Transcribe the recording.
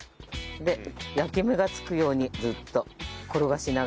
で焼き目がつくようにずっと転がしながらですね。